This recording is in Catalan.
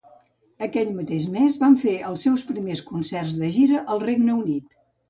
Aquell mateix mes van fer els seus primers concerts de gira al Regne Unit.